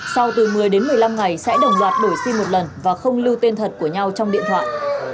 sau từ một mươi đến một mươi năm ngày sẽ đồng loạt đổi sim một lần và không lưu tên thật của nhau trong điện thoại